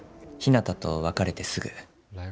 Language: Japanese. ひなたと別れてすぐ。